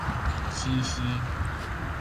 死屍